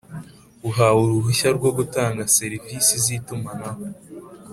Uhawe uruhushya rwo gutanga serivisi z itumanaho